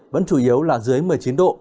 vẫn chủ yếu là dưới một mươi chín độ